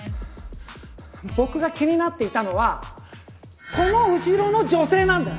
僕が気になっていたのはこの後ろの女性なんです！